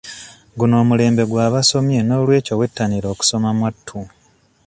Guno omulembe gw'abasomye n'olw'ekyo wettanire okusoma mwatu.